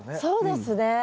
そうですね。